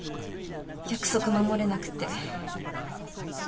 約束守れなくて。